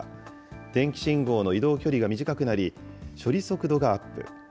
電気信号の移動距離が短くなり、処理速度がアップ。